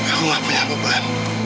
aku gak punya beban